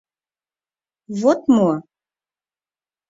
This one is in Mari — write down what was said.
Вот мо: